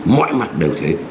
mọi mặt đều thế